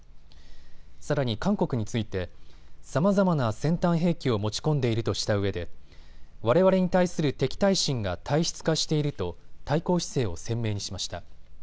さらに韓国についてさまざまな先端兵器を持ち込んでいるとしたうえでわれわれに対する敵対心が体質化していると対抗姿勢を鮮明にしました。